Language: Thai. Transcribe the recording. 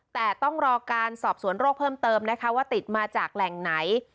แต่ต้องรอการสอบสวนโรคเพิ่มเติมนะคะว่าติดมาจากแหล่งไหน